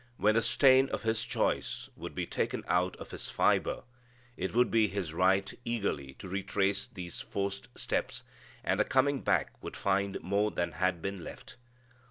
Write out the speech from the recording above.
When the stain of his choice would be taken out of his fibre it would be his right eagerly to retrace these forced steps, and the coming back would find more than had been left.